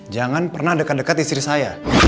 jangan pernah dekat dekat istri saya